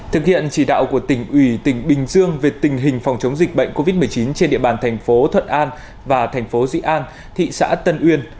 thực hiện chỉ đạo của tỉnh ủy tỉnh bình dương về tình hình phòng chống dịch bệnh covid một mươi chín trên địa bàn thành phố thuận an và thành phố dị an thị xã tân uyên